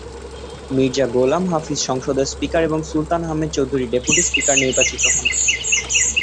মির্জা গোলাম হাফিজ সংসদের স্পিকার এবং Sultan Ahmed Chowdhury deputy speaker নির্বাচিত হন।